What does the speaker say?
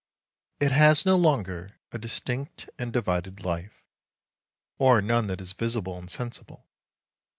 It has no longer a distinct and divided life, or none that is visible and sensible.